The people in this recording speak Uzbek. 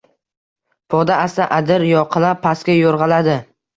Poda asta adir yoqalab pastga yo‘rg‘aladi.